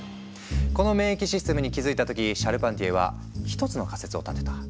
この免疫システムに気付いた時シャルパンティエは一つの仮説を立てた。